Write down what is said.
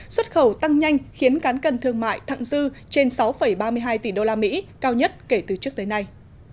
xuất khẩu tăng nhanh khiến cán cần thương mại thặng dư trên sáu ba mươi hai tỷ đô la mỹ cao nhất kể từ trước tới nay